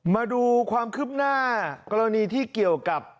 มาดูความคืบหน้ากรณีที่เกี่ยวกับ